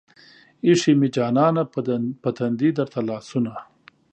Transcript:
ايښې مې جانانه پۀ تندي درته لاسونه